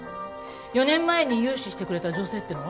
４年前に融資してくれた女性っていうのは？